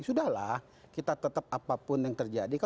sudahlah kita tetap apapun yang terjadi